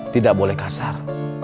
tidak boleh kasar